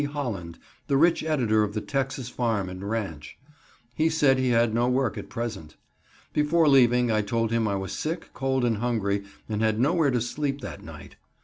P. Holland, the rich editor of the Texas Farm and Ranch. He said he had no work at present. Before leaving, I told him I was sick, cold and hungry, and had nowhere to sleep that night.